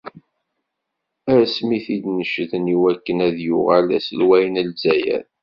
Asmi i t-id-necden iwakken ad yuɣal d aselway n Lezzayer.